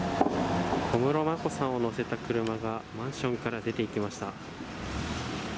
小室眞子さんを乗せた車がマンションから出ていきました。